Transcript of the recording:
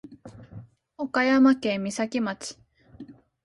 岡山県美咲町